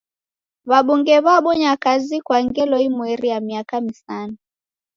W'abunge w'abonya kazi kwa ngelo imweri ya miaka misanu.